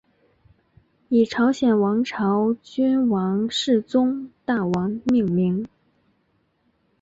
以朝鲜王朝君王世宗大王命名。